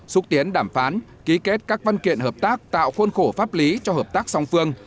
xúc tiến đàm phán ký kết các văn kiện hợp tác tạo khuôn khổ pháp lý cho hợp tác song phương